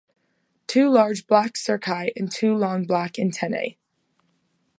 Two large black cerci and two long black antennae.